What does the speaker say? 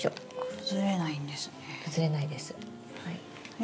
崩れないんですね。